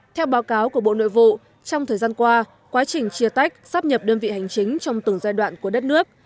theo báo cáo của bộ nội vụ trong thời gian qua quá trình chia tách sắp nhập đơn vị hành chính trong từng giai đoạn của đất nước